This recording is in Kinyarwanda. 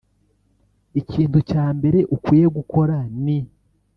ikintu cya mbere ukwiye gukora ni